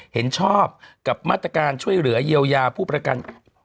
เห็นชอบกับมาตรการช่วยเหลือเยียวยาผู้ประกัน